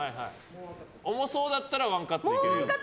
重そうだったらワンカットいけるよ。